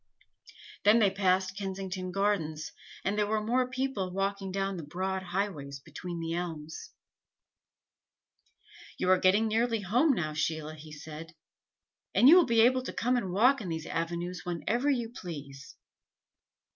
Then they passed Kensington Gardens, and there were more people walking down the broad highways between the elms. "You are getting nearly home now, Sheila," he said. "And you will be able to come and walk in these avenues whenever you please."